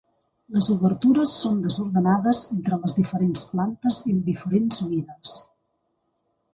Les obertures són desordenades entre les diferents plantes i de diferents mides.